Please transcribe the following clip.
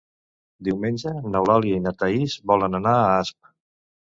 Diumenge n'Eulàlia i na Thaís volen anar a Asp.